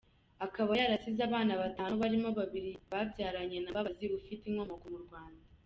Akaba yarasize abana batanu barimo babiri yabyaranye na Mbabazi ufite inkomoko mu Rwanda .